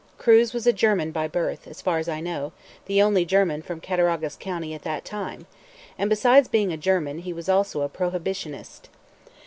Kruse was a German by birth; as far as I know, the only German from Cattaraugus County at that time; and, besides being a German, he was also a Prohibitionist.